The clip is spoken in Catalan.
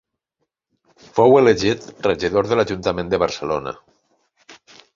Fou elegit regidor de l'Ajuntament de Barcelona.